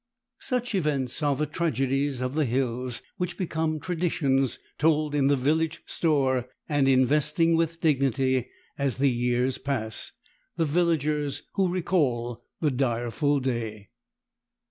Such events are the tragedies of the hills, which become traditions told in the village store, and investing with dignity, as the years pass, the villagers who recall the direful day.